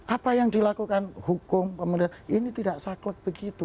apa yang dilakukan hukum pemerintah ini tidak saklek begitu